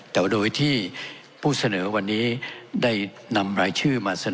แต่โดยที่ผู้เสนอวันนี้ได้นำรายชื่อมาเสนอ